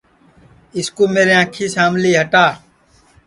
اِس کُو میرے انکھی سام لی ہٹا